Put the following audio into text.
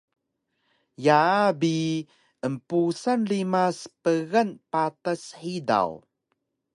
Yaa bi empusal rima spngan patas hidaw